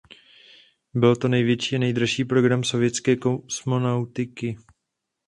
Byl to největší a nejdražší program sovětské kosmonautiky.